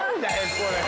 これ。